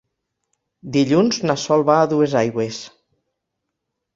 Dilluns na Sol va a Duesaigües.